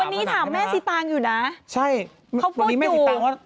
วันนี้ถามแม่ศรีตังค์อยู่นะเขาพูดอยู่ใช่วันนี้แม่ศรีตังค์ว่า